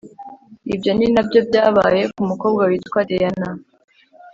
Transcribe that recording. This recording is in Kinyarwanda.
Ibyo ni na byo byabaye ku mukobwa witwa deanna